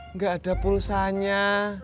enggak ada pulsanya